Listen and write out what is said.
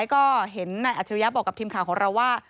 ก็เห็นนายอัจฉริยะบอกกับทีมข่าวของเราว่า